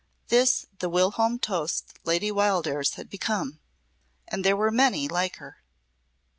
This the whilom toast Lady Wildairs had become, and there were many like her.